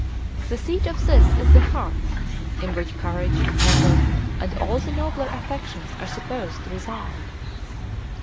The seat of this is the heart, in which courage, anger, and all the nobler affections are supposed to reside.